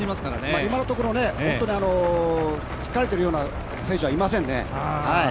今のところ、疲れているような選手はいませんね。